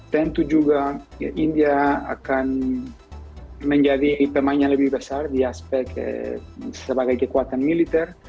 tentu juga india akan menjadi pemain yang lebih besar di aspek sebagai kekuatan militer